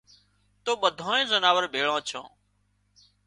تو ٻڌانئي زناوۯ ڀيۯان ڇان